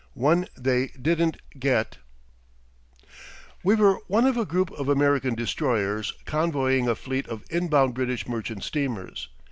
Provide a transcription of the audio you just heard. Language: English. ONE THEY DIDN'T GET We were one of a group of American destroyers convoying a fleet of inbound British merchant steamers.